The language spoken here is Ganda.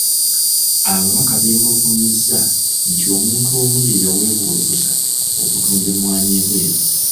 Ababaka beemulugunyizza nti omuntu omu ye yaweebwa olukusa okutunda emmwanyi ebweru.